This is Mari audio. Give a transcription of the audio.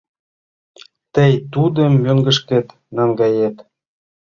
— Тый тудым мӧҥгышкет наҥгает?